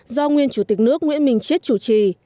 do nguyên chủ tịch nước nguyễn minh chiết chủ trì